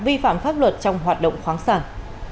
vi phạm pháp luật trong hoạt động khoáng sản